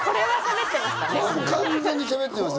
完全にしゃべってます。